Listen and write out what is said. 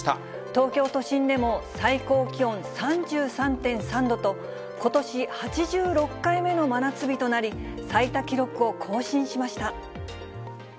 東京都心でも、最高気温３３．３度と、ことし８６回目の真夏日となり、最多記録を更新しました。